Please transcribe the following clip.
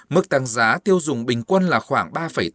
mức tăng giá tiêu dùng bình quân là khoảng ba tám mươi tám